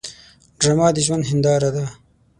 ډرامه د ژوند هنداره ده